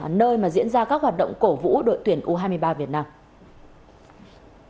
nơi mà diễn ra các hoạt động cổ vũ đội tuyển u hai mươi ba việt nam